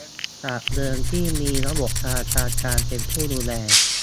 จากเดิมที่มีระบบธนาคารกลางเป็นผู้ดูแล